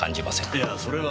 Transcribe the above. いやそれは。